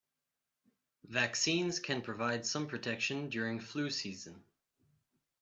Vaccines can provide some protection during flu season.